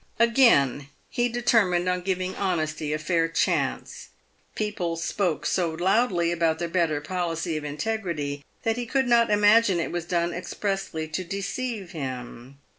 Again he determined on giving honesty a fair chance. People spoke so loudly about the better policy of integrity that he could not imagine it was done expressly to deceive him.